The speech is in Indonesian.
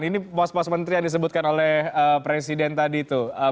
ini pos pos kementerian disebutkan oleh presiden tadi tuh